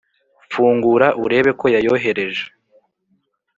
fungura urebe ko yayoherereje.